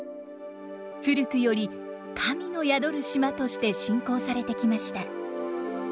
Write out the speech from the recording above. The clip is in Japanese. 古くより神の宿る島として信仰されてきました。